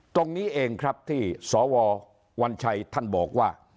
ตรงนี้เองครับที่สววัญชัยท่านบอกว่า